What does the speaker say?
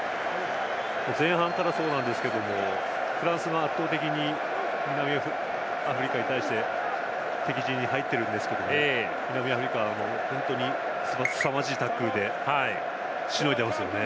前半からそうなんですけどフランスが圧倒的に南アフリカに対して敵陣に入ってるんですけど南アフリカは本当にすさまじいタックルで、しのいでますよね。